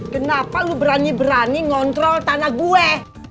kenapa lu berani berani ngontrol tanah gue